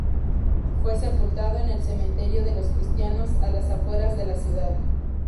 Fue sepultado en el cementerio de los cristianos, a las afueras de la ciudad.